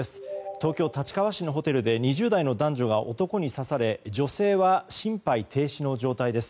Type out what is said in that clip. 東京・立川市のホテルで２０代の男女が男に刺され女性は心肺停止の状態です。